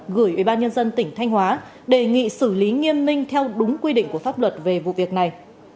gửi ủy ban nhân dân tỉnh thanh hóa đề nghị xử lý nghiêm minh theo đúng quy định của pháp luật về vụ việc này